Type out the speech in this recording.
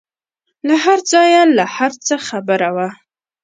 له هرځايه له هرڅه خبره وه.